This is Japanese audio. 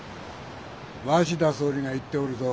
鷲田総理が言っておるぞ。